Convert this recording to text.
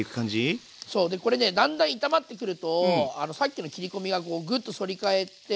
そうでこれねだんだん炒まってくるとさっきの切り込みがこうぐっと反り返って。